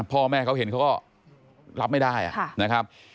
พ่อแม่เขาเห็นเขาก็รับไม่ได้นะครับ